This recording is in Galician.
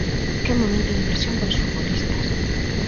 Que momento de presión para os futbolistas.